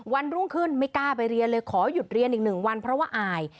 รุ่งขึ้นไม่กล้าไปเรียนเลยขอหยุดเรียนอีกหนึ่งวันเพราะว่าอาย